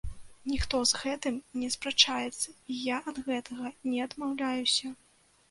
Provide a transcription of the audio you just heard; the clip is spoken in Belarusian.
Ніхто з гэтым не спрачаецца, і я ад гэтага не адмаўляюся.